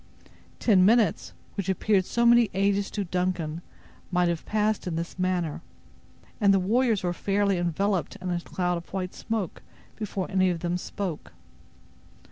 Ten minutes, which appeared so many ages to Duncan, might have passed in this manner; and the warriors were fairly enveloped in a cloud of white smoke before any of them spoke.